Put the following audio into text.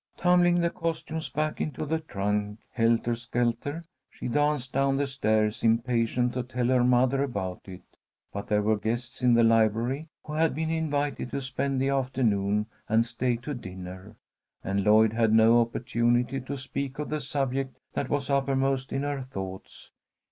Tumbling the costumes back into the trunk, helter skelter, she danced down the stairs, impatient to tell her mother about it. But there were guests in the library who had been invited to spend the afternoon and stay to dinner, and Lloyd had no opportunity to speak of the subject that was uppermost in her thoughts.